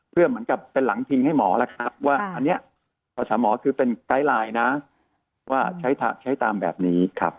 เพื่อเหมือนกับเป็นหลังพิงให้หมอแล้วครับว่าอันนี้พศหมอคือเป็นไกด์ไลน์นะว่าใช้ตามแบบนี้ครับ